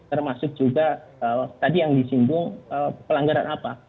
termasuk juga tadi yang disinggung pelanggaran apa